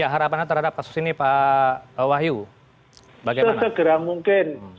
harapan anda terhadap kasus ini pak wayu bagaimana